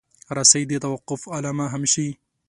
رسۍ د توقف علامه هم شي.